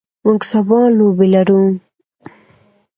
موږ سبا لوبې لرو.